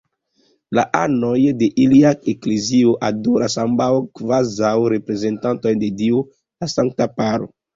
La anoj de ilia eklezio adoras ambaŭ kvazaŭ reprezentantojn de Dio: la Sankta Paro.